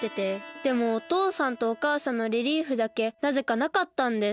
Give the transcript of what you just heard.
でもおとうさんとおかあさんのレリーフだけなぜかなかったんです。